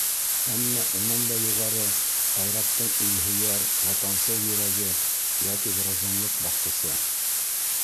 Әммә унан да юғары — Айраттың илһөйәр, ватансыл йөрәге йәки гражданлыҡ баҫҡысы!